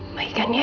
baik kan ya